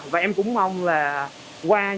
và em cũng mong là qua những